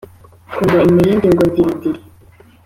twumva imirundi ngo diridiri